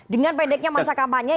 dengan pendeknya masa kampanye